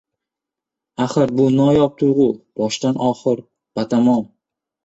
Axir bu noyob tuyg‘u boshdan-oxir, batamom